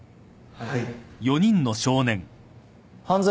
はい。